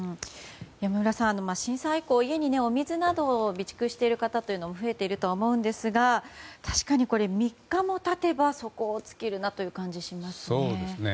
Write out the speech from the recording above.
山村さん、震災以降お水などを家に備蓄している人が増えていると思うんですが確かに３日も経てば底を尽きる感じがしますね。